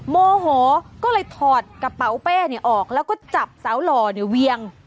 โมโหก็เลยถอดกระเป๋าเป้ออกแล้วก็จับสาวหล่อเนี่ยเวียง